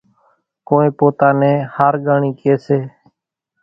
ڪونئين پوتا نين ۿارڳانڻِي ڪيَ سي۔